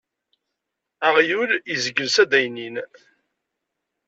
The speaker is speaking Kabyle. Aɣyul izgel s addaynin.